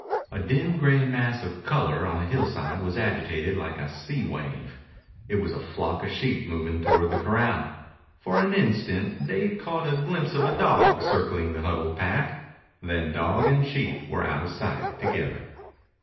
A dim, gray mass of color on a hillside was agitated like a sea wave. It was a flock of sheep moving toward the corral. For an instant Dave caught a glimpse of a dog circling the huddled pack; then dog and sheep were out of sight together.